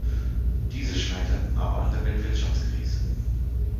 Diese scheiterten aber an der Weltwirtschaftskrise.